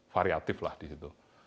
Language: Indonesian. variatif lah di situ